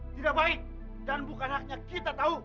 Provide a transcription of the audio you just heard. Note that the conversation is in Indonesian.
tidak baik dan bukan haknya kita tau